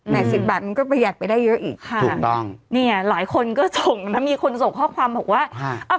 สิบบาทมันก็ประหยัดไปได้เยอะอีกค่ะถูกต้องเนี่ยหลายคนก็ส่งนะมีคนส่งข้อความบอกว่า